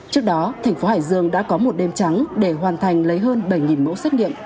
trước đó thành phố hải dương đã có một đêm trắng để hoàn thành lấy hơn bảy mẫu xét nghiệm